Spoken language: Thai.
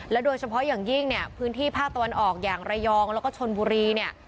โดยเฉพาะอย่างยิ่งเนี่ยพื้นที่ภาคตะวันออกอย่างระยองแล้วก็ชนบุรีเนี่ย